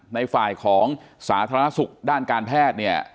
ในฝ่ายของสาธารณสุขด้านการแพทย์เนี่ย